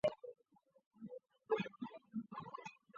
经审讯后最终裁定十项未经准许而逗留在学校内罪名成立。